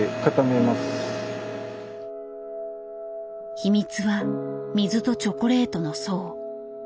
秘密は水とチョコレートの層。